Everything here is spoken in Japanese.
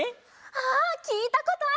ああきいたことある！